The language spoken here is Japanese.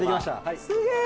すげえ！